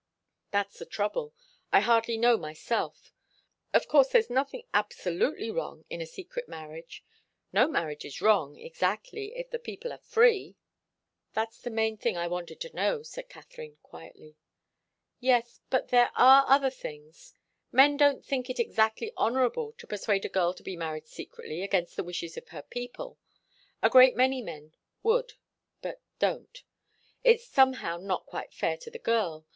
"That's the trouble. I hardly know myself. Of course there's nothing absolutely wrong in a secret marriage. No marriage is wrong, exactly, if the people are free." "That's the main thing I wanted to know," said Katharine, quietly. "Yes but there are other things. Men don't think it exactly honourable to persuade a girl to be married secretly, against the wishes of her people. A great many men would, but don't. It's somehow not quite fair to the girl.